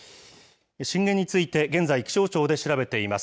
震源について現在、気象庁で調べています。